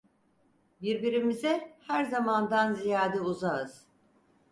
Birbirimize her zamandan ziyade uzağız!